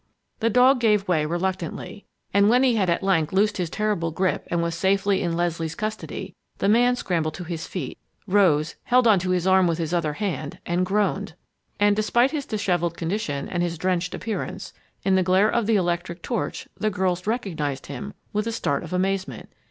The dog gave way reluctantly. And when he had at length loosed his terrible grip and was safely in Leslie's custody, the man scrambled to his feet, rose, held on to his arm with his other hand, and groaned. And, despite his disheveled condition and his drenched appearance, in the glare of the electric torch the girls recognized him, with a start of amazement.